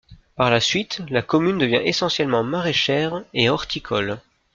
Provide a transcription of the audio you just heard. Par la suite, la commune devient essentiellement maraîchère et horticole.